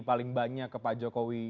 paling banyak ke pak jokowi